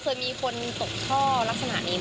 ตอนนี้แค่ว่าใช้และไม่ไหม